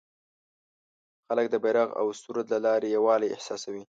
خلک د بیرغ او سرود له لارې یووالی احساسوي.